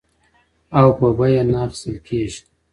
او په بیه نه اخیستل کېږي.